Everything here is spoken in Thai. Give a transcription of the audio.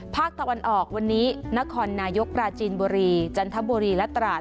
ภาคตะวันออกวันนี้นครนายกปราจีนบุรีจันทบุรีและตราด